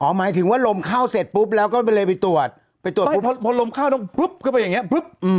หมายถึงว่าลมเข้าเสร็จปุ๊บแล้วก็เลยไปตรวจไปตรวจปุ๊บพอลมเข้าต้องปุ๊บเข้าไปอย่างเงี้ปุ๊บ